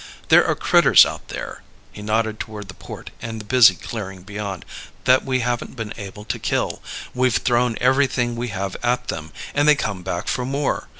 There are critters out there " he nodded toward the port and the busy clearing beyond "that we haven't been able to kill. We've thrown everything we have at them, and they come back for more.